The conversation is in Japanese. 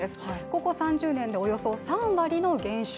ここ３０年でおよそ３割の減少。